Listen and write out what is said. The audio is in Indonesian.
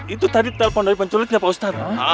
itu tadi telpon dari penculiknya pak ustad